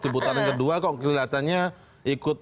di putaran kedua kok kelihatannya ikut